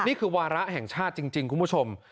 นี่คือวาระแห่งชาติจริงคุณผู้ชม